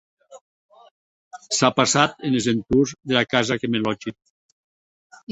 S’a passat enes entorns dera casa que me lòtgi.